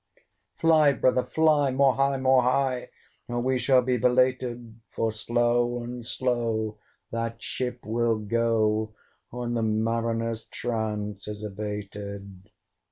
Fly, brother, fly! more high, more high Or we shall be belated: For slow and slow that ship will go, When the Mariner's trance is abated.